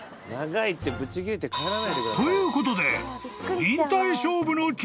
［ということで］